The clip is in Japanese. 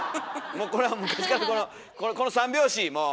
もうこれは昔からこの三拍子もう！